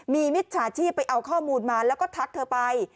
มีมิจฉาชีพไปเอาข้อมูลมาแล้วก็ทักเธอไป